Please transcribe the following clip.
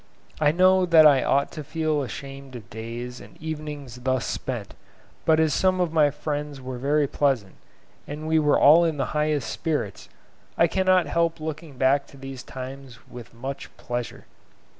I know that I ought to feel ashamed of days and evenings thus spent, but as some of my friends were very pleasant, and we were all in the highest spirits, I cannot help looking back to these times with much pleasure.